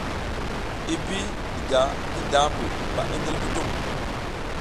I bi diga ngi dambu ɓa i ndil kutum.